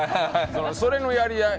それのやり合い。